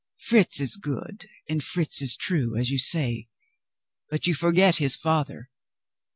Fritz is good, and Fritz is true, as you say. But you forget his father.